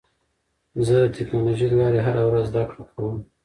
زه د ټکنالوژۍ له لارې هره ورځ زده کړه کوم.